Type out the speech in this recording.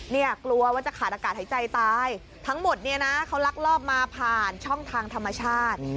กลัวว่าจะขาดอากาศหายใจตายทั้งหมดเนี่ยนะเขาลักลอบมาผ่านช่องทางธรรมชาติ